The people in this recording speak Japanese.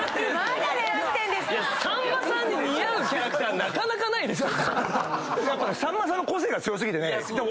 さんまさんに似合うキャラクターなかなかないですよ。